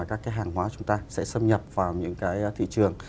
các cái hàng hóa chúng ta sẽ xâm nhập vào những cái thị trường